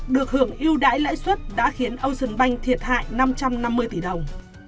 được hưởng ưu đãi lãi suất đã khiến ocean bank thiệt hại năm trăm năm mươi tỷ đồng